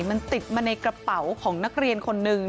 มันติดมาในกระเป๋าของนักเรียนคนหนึ่ง